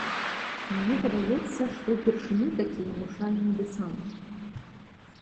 Мне падаецца, што ўпершыню такі ўнушальны дэсант.